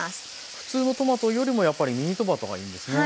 普通のトマトよりもやっぱりミニトマトがいいんですね。